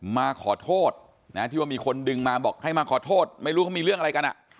มาขอโทษนะที่ว่ามีคนดึงมาบอกให้มาขอโทษไม่รู้เขามีเรื่องอะไรกัน